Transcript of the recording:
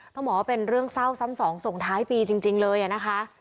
ต้องบอกว่าเป็นเรื่องเศร้าซ้ำสองส่งท้ายปีจริงเลยนะคะ